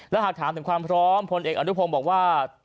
และหากถามถึงความพร้อมพลเอกอนุพงศ์บอกว่า